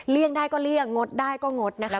ได้ก็เลี่ยงงดได้ก็งดนะคะ